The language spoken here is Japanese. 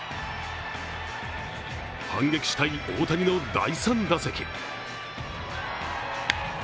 反撃したい大谷の第３打席。